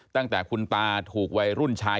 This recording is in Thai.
ตั้งแต่คุณตาถูกวัยรุ่นชาย